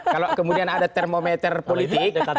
kalau kemudian ada termometer politik